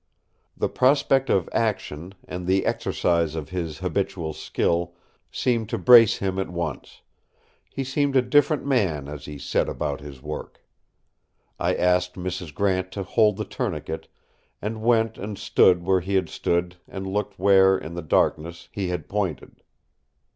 The prospect of action and the exercise of his habitual skill seemed to brace him at once; he seemed a different man as he set about his work. I asked Mrs. Grant to hold the tourniquet, and went and stood where he had stood and looked where, in the darkness, he had pointed.